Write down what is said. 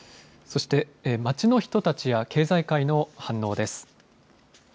そして、街の人たちや経済界の反応です。